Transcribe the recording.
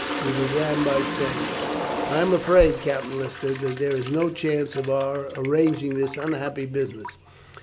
He began by saying: "'I am afraid, Captain Lister, that there is no chance of our arranging this unhappy business.